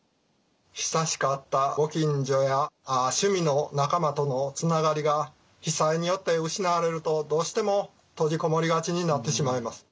親しかったご近所や趣味の仲間とのつながりが被災によって失われるとどうしても閉じこもりがちになってしまいます。